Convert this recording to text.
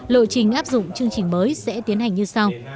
lộ trình áp dụng chương trình mới sẽ tiến hành như sau